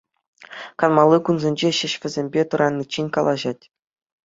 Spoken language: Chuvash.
Канмалли кунсенче ҫеҫ вӗсемпе тӑраниччен калаҫать.